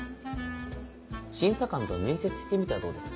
審査官と面接してみてはどうです？